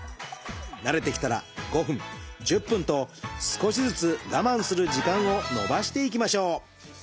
慣れてきたら５分１０分と少しずつ我慢する時間をのばしていきましょう。